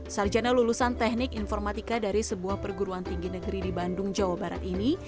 sarjana lulusan teknik informatika dari sebuah perguruan tinggi negeri di bandung jawa barat ini